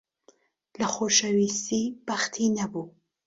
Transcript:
لە خۆشەویستی بەختی نەبوو.